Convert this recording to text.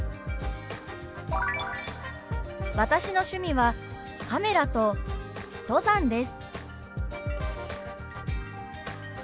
「私の趣味はカメラと登山です」。